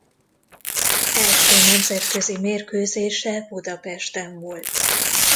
Első nemzetközi mérkőzése Budapesten volt.